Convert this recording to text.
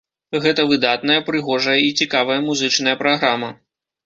Гэта выдатная, прыгожая і цікавая музычная праграма.